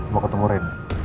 mau ketemu rin